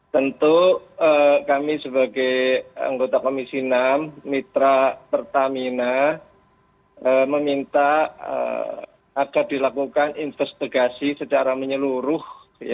tentu kami sebagai anggota komisi enam mitra pertamina meminta agar dilakukan investigasi secara menyeluruh